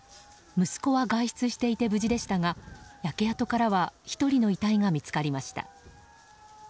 息子は外出していて無事でしたが焼け跡からは１人の遺体が見つかりました。